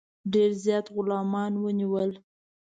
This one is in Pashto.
ډېر زیات غلامان ونیول.